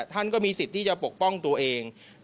ท่านก็มีสิทธิ์ที่จะปกป้องตัวเอง